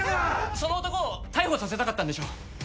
その男を逮捕させたかったんでしょう。